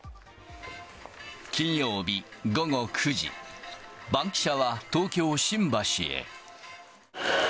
金曜日午後９時、バンキシャは、東京・新橋へ。